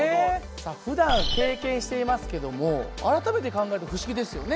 さあふだん経験していますけども改めて考えると不思議ですよね。